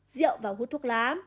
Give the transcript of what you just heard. rượu và hút thuốc lá